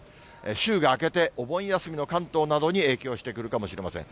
週が明けてお盆休みの関東などに影響してくるかもしれません。